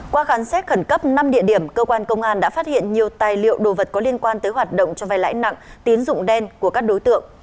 qua khám xét khẩn cấp năm địa điểm cơ quan công an đã phát hiện nhiều tài liệu đồ vật có liên quan tới hoạt động cho vai lãi nặng tín dụng đen của các đối tượng